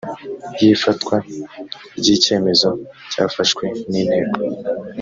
y ifatwa ry icyemezo cyafashwe n inteko